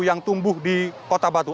yang tumbuh di kota batu